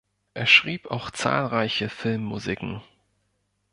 Er schrieb auch zahlreiche Filmmusiken.